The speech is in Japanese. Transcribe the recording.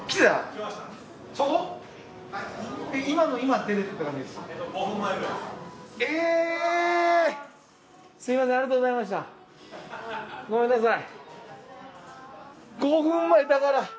そこ？ごめんなさい。